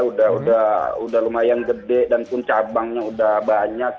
udah lumayan gede dan pun cabangnya udah banyak